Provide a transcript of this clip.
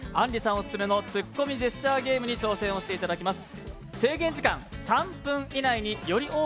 オススメの「ツッコミジェスチャーゲーム」に挑戦をしていただきます。